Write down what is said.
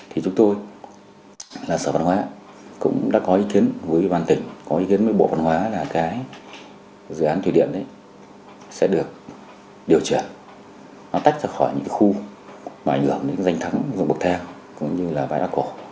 thì chúng tôi là sở văn hóa cũng đã có ý kiến với ubnd tỉnh có ý kiến với bộ văn hóa là dự án thủy điện sẽ được điều truyền nó tách ra khỏi những khu ảnh hưởng đến danh thắng dụng bậc thang cũng như bãi đá cổ